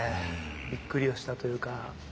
びっくりをしたというか。